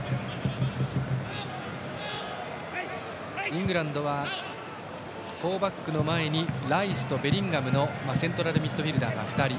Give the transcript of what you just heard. イングランドはフォーバックの前にライスとベリンガムのセントラルミッドフィールダーが２人。